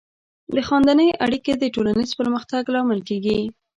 د خاندنۍ اړیکې د ټولنیز پرمختګ لامل کیږي.